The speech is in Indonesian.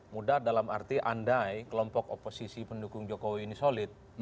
mudah dalam arti andai kelompok oposisi pendukung jokowi ini solid